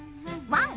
ワン！